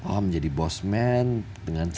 oh menjadi boss man dengan tubuh